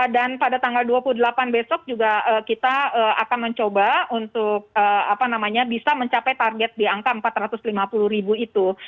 dan pada tanggal dua puluh delapan besok juga kita akan mencoba untuk bisa mencapai target di angka empat ratus lima puluh ribu itu